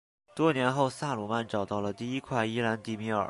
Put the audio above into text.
多年后萨鲁曼找到了第一块伊兰迪米尔。